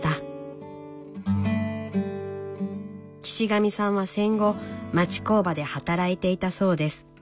岸上さんは戦後町工場で働いていたそうです。